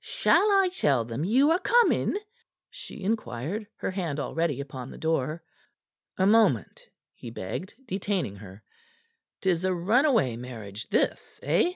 "Shall I tell them you are coming?" she inquired, her hand already upon the door. "A moment," he begged, detaining her. "'Tis a runaway marriage this, eh?"